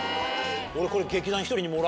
俺これ。